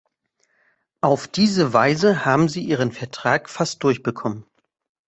Auf diese Weise haben Sie Ihren Vertrag fast durchbekommen.